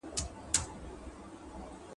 • نغرى له دښمنه ډک ښه دئ، نه له دوسته خالي.